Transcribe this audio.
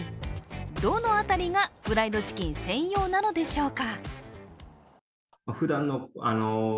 どの辺りがフライドチキン専用なのでしょうか。